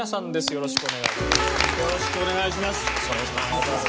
よろしくお願いします。